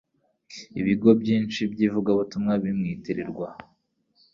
ibigo byinshi by'ivugabutumwa bimwitirirwa